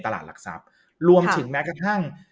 หลักทรัพย์รวมถึงแม้กระทั่ง